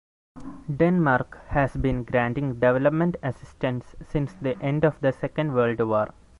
Denmark has been granting development assistance since the end of the Second World War.